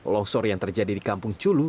longsor yang terjadi di kampung culu